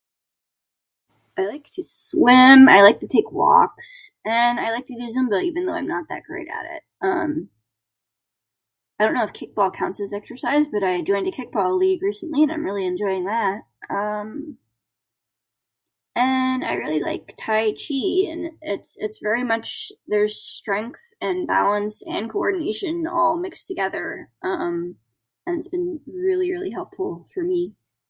I like to swim, I like to take walks, and I like to do Zumba even though I'm not that great at it. Um... I don't know if kickball counts as exercise, but I joined a kickball league recently and I'm really enjoying that. Um... And I really like tai chi and it's it's very much there's strength and balance and coordination all mixed together. Um... and it's been really, really helpful for me.